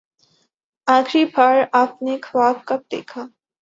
آخری بار آپ نے خواب کب دیکھا؟